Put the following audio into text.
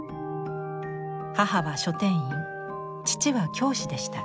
母は書店員父は教師でした。